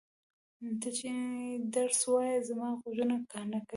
ته چې درس وایې زما غوږونه کاڼه کوې!